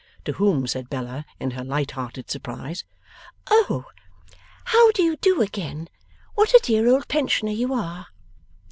To whom said Bella, in her light hearted surprise: 'Oh! How do you do again? What a dear old pensioner you are!